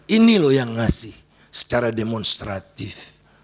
ini loh yang ngasih secara demonstratif